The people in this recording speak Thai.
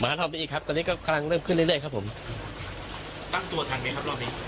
ความดีครับตอนนี้ก็กำลังเริ่มขึ้นเรื่อยครับผมตั้งตัวทันไหมครับรอบนี้